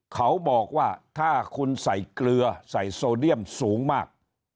เขาบอกว่าถ้าคุณใส่เกลือใส่โซเดียมสูงมาก